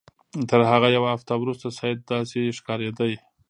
تر هغه یوه هفته وروسته سید داسې ښکارېده.